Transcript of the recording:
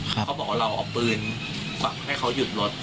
เขาบอกว่าเราเอาปืนให้เขาหยุดรถ